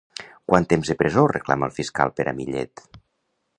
Quant temps de presó reclama el fiscal per a Millet?